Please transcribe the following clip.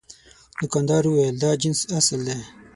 دوکاندار وویل دا جنس اصل دی.